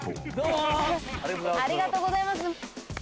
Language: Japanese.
ありがとうございます。